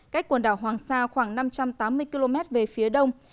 cách quần đảo hoàng sa khoảng năm trăm tám mươi km về phía đông